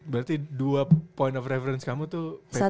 berarti dua point of reference kamu tuh pepe sama real madrid